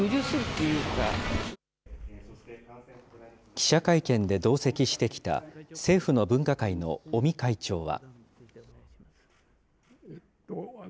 記者会見で同席してきた、政府の分科会の尾身会長は。